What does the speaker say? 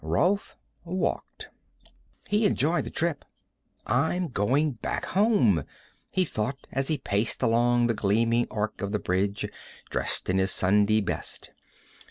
Rolf walked. He enjoyed the trip. I'm going back home, he thought as he paced along the gleaming arc of the bridge, dressed in his Sunday best.